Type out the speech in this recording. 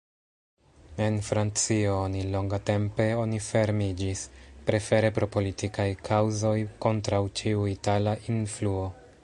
En Francio oni longtempe oni fermiĝis, prefere pro politikaj kaŭzoj, kontraŭ ĉiu itala influo.